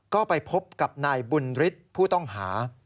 ก็ไปพบกับนายบุญฤทธิ์ผู้ต้องหา